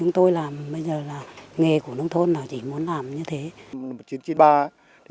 tôi làm bây giờ là nghề của nông thôn chỉ muốn làm như thế